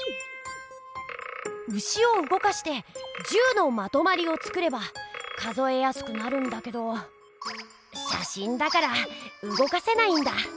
牛をうごかして１０のまとまりを作れば数えやすくなるんだけどしゃしんだからうごかせないんだ。